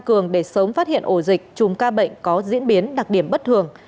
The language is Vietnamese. cường để sớm phát hiện ổ dịch chùm ca bệnh có diễn biến đặc điểm bất thường